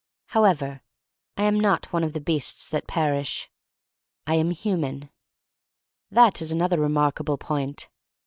However, I am not one of the beasts that perish. I am human. That is another remarkable point.